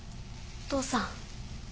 お父さん。